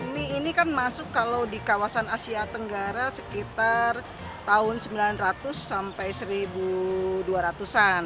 mie ini kan masuk kalau di kawasan asia tenggara sekitar tahun sembilan ratus sampai seribu dua ratus an